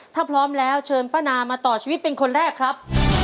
ถ้าพร้อมแล้วเชิญป้านามาต่อชีวิตเป็นคนแรกครับ